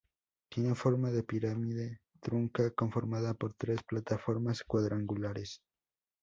Tiene forma de pirámide trunca conformada por tres plataformas cuadrangulares.